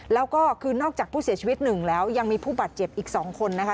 แล้วก็คือนอกจากผู้เสียชีวิตหนึ่งแล้วยังมีผู้บาดเจ็บอีก๒คนนะคะ